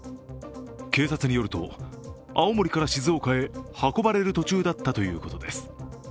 警察によると、青森から静岡へ運ばれる途中だったということです。